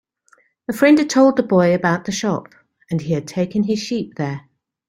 A friend had told the boy about the shop, and he had taken his sheep there.